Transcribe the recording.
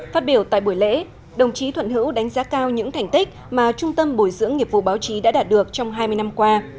phát biểu tại buổi lễ đồng chí thuận hữu đánh giá cao những thành tích mà trung tâm bồi dưỡng nghiệp vụ báo chí đã đạt được trong hai mươi năm qua